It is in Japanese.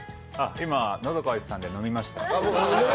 今、喉渇いてたんで飲みました。